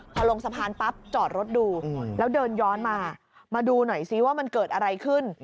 พอลงสะพานปั๊บจอดรถดูแล้วเดินย้อนมามาดูหน่อยซิว่ามันเกิดอะไรขึ้น